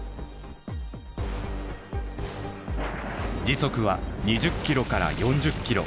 時速は２０ｋｍから４０ｋｍ。